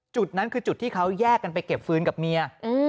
จุดนั้นคือจุดที่เขาแยกกันไปเก็บฟื้นกับเมีย